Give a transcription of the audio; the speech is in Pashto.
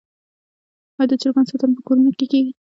آیا د چرګانو ساتنه په کورونو کې کیږي؟